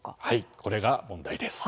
これが問題です。